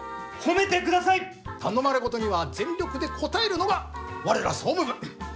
頼まれ事には全力で応えるのが我ら総務部。